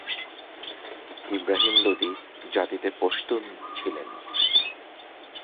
ইবরাহিম লোদি জাতিতে পশতুন ছিলেন।